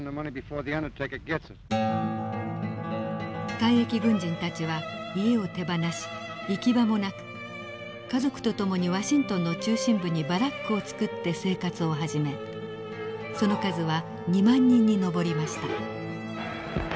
退役軍人たちは家を手放し行き場もなく家族と共にワシントンの中心部にバラックを作って生活を始めその数は２万人に上りました。